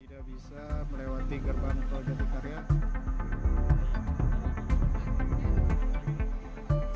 tidak bisa melewati gerbang tol jatikarya